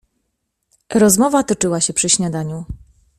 "Rozmowa toczyła się przy śniadaniu."